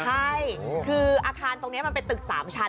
ใช่อาทารตรงนี้เป็นดึกสามชั้น